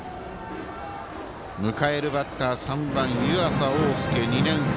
迎えるバッター３番、湯浅桜翼、２年生。